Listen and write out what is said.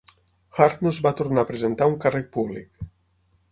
Hart no es va tornar a presentar a un càrrec públic.